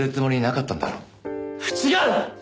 違う！